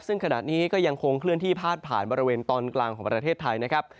ซึ่งขณะนี้ก็ยังคงเคลื่อนที่พาดผ่านบริเวณตอนกลางของประเทศไทยนะครับ